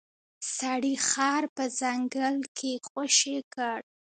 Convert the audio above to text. سړي خر په ځنګل کې خوشې کړ.